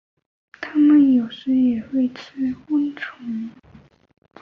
它们有时也会吃昆虫。